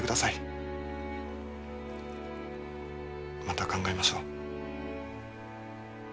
また考えましょう。